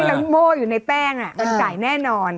คือที่มันโม่อยู่ในแป้งมันใส่แน่นอน